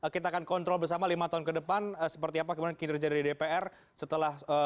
kita akan kontrol bersama lima tahun ke depan seperti apa kemudian kinerja dari dpr setelah